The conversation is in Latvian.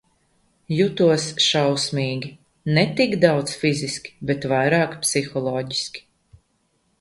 Jutos šausmīgi – ne tik daudz fiziski, bet vairāk psiholoģiski.